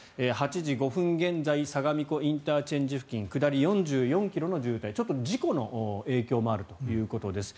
８時５分現在相模湖ＩＣ付近下り４４ｋｍの渋滞ちょっと事故の影響もあるということです。